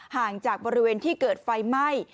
ห่างจากบริเวณที่เกิดไฟไหม้